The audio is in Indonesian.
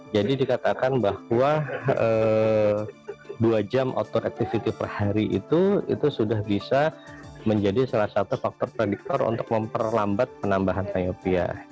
jadi dikatakan bahwa dua jam outdoor activity per hari itu itu sudah bisa menjadi salah satu faktor prediktor untuk memperlambat penambahan miopia